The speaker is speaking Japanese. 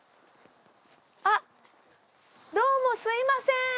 あっどうもすみません。